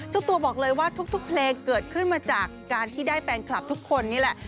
เจ้าตัวบอกเลยว่าทุกเพลงเกิดขึ้นมาจากการที่ได้แฟนคลับทุกคนนี่แหละ